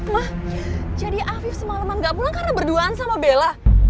mah jadi afif semalaman gak pulang karena berduaan sama bella